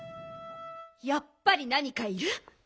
やっぱりなにかいる？